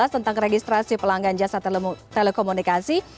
tentang registrasi pelanggan jasa telekomunikasi